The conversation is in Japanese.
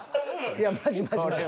いやマジマジマジ。